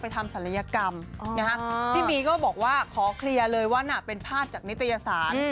ทำศัลยกรรมพี่บีก็บอกว่าขอเคลียร์เลยว่าน่ะเป็นภาพจากนิตยสาร